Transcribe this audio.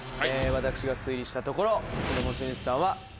私が推理したところこの持ち主さんは。